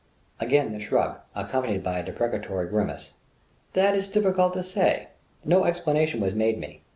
Again the shrug, accompanied by a deprecatory grimace: "That is difficult to say. No explanation was made me.